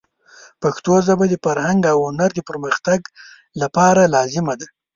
پښتو ژبه د فرهنګ او هنر د پرمختګ لپاره لازمه ده.